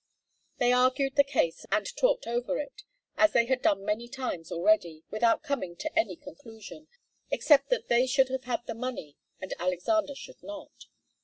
They argued the case and talked over it, as they had done many times already, without coming to any conclusion, except that they should have had the money and Alexander should not.